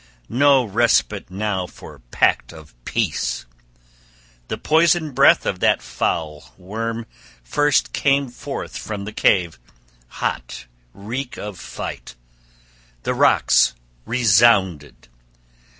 No respite now for pact of peace! The poison breath of that foul worm first came forth from the cave, hot reek of fight: the rocks resounded.